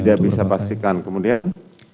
tidak bisa pastikan kemudian